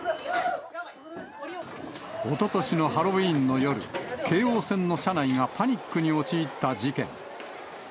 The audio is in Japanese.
おととしのハロウィーンの夜、京王線の車内がパニックに陥った事件。